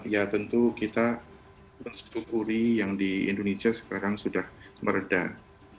ya tentu kita mensyukuri yang di indonesia sekarang sudah meredah